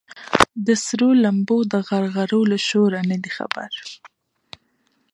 د سرو لمبو د غرغرو له شوره نه دي خبر